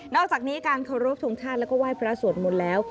นอกจากนี้การเคารพทุงชาติและก็ไหว้พระสวรรค์หมดแล้ว